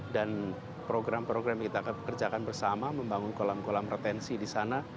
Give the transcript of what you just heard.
dan program program yang kita kerjakan bersama membangun kolam kolam retensi di sana